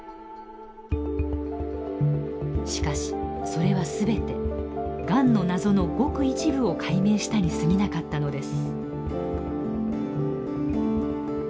しかしそれはすべてがんの謎のごく一部を解明したにすぎなかったのです。